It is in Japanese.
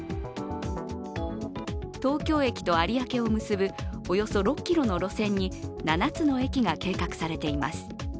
東京駅と有明を結ぶおよそ６ｋｍの路線に７つの駅が計画されています。